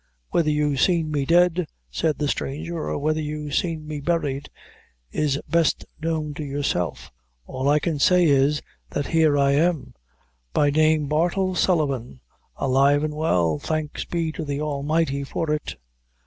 "Whether you seen me dead," said the stranger, "or whether you seen me buried, is best known to yourself; all I can say is, that here I am by name Bartle Sullivan, alive an' well, thanks be to the Almighty for it!"